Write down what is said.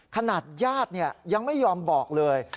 ขนาดญาติยังไม่ยอมบอกเลย